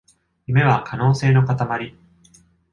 夢は可能性のかたまり